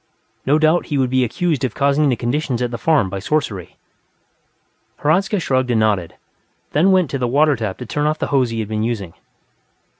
No doubt he would be accused of causing the conditions at the farm by sorcery. Hradzka shrugged and nodded, then went to the water tap to turn off the hose he had been using.